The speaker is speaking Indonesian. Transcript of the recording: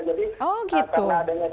jadi karena adanya diskon itu